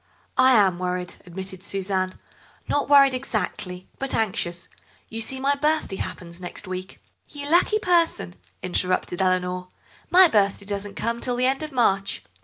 "I am worried," admitted Suzanne; "not worried exactly, but anxious. You see, my birthday happens next week—" "You lucky person," interrupted Eleanor; "my birthday doesn't come till the end of March."